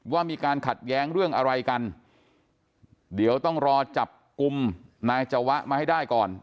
ว่ามีการขัดแย้งเรื่องอะไรกันเดี๋ยวต้องรอจับกลุ่มนายจวะมาให้ได้ก่อน